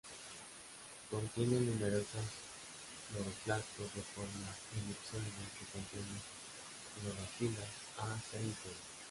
Contienen numerosas cloroplastos de forma elipsoide que contienen clorofilas "a", "c" y "c".